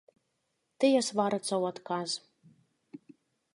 Тыя сварацца ў адказ.